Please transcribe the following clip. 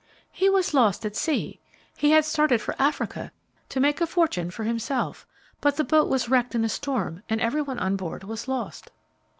"He was lost at sea. He had started for Africa, to make a fortune for himself, but the boat was wrecked in a storm and every one on board was lost."